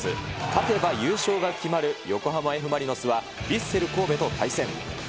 勝てば優勝が決まる横浜Ｆ・マリノスは、ヴィッセル神戸と対戦。